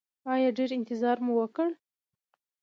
ایا ډیر انتظار مو وکړ؟